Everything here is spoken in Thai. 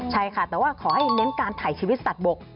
ใช่ค่ะแต่ว่าขอให้เน้นการถ่ายชีวิตสัตว์บก